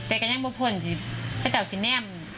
แต่ก็ยังไม่พูดจริงจริงแต่เจ้าสิแน่ม